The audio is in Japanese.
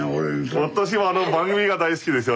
私はあの番組が大好きですよ